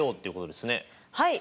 はい。